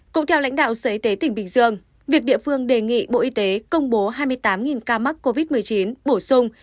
cũng theo lãnh đạo sở y tế tỉnh bình dương việc địa phương đề nghị bộ y tế công bố hai mươi tám ca mắc covid một mươi chín bổ sung